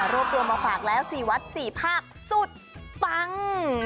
รวบรวมมาฝากแล้ว๔วัด๔ภาคสุดปัง